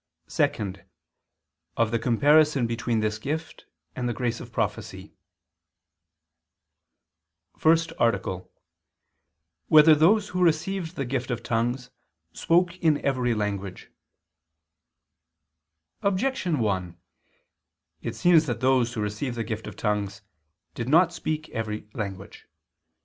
(2) Of the comparison between this gift and the grace of prophecy. _______________________ FIRST ARTICLE [II II, Q. 176, Art. 1] Whether Those Who Received the Gift of Tongues Spoke in Every Language? Objection 1: It seems that those who received the gift of tongues did not speak in every language.